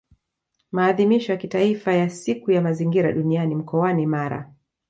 Maadhimisho ya Kitaifa ya Siku ya mazingira duniani mkoani Mara